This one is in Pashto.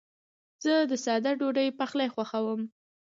زه د ساده ډوډۍ پخلی خوښوم.